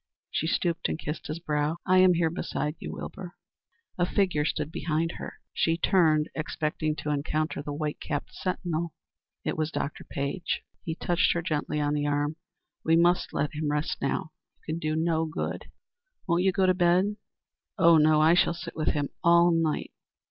She stooped and kissed his brow. "I am here beside you, Wilbur." A figure stood behind her. She turned, expecting to encounter the white capped sentinel. It was Dr. Page. He touched her gently on the arm. "We must let him rest now. You can do no good. Won't you go to bed?" "Oh, no. I shall sit with him all night."